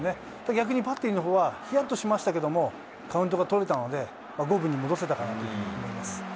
逆にバッテリーのほうは、ひやっとしましたけど、カウントが取れたので、五分に戻せたかなというふうに思います。